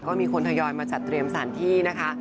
ก็มีคนทยอยมาจัดเตรียมสถานที่นะคะ